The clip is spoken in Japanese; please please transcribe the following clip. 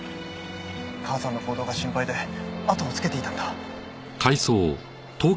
母さんの行動が心配であとをつけていたんだ。